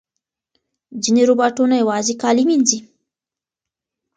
ځینې روباټونه یوازې کالي مینځي.